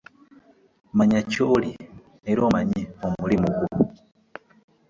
Manya ky'oli era omanye omulimu gwo.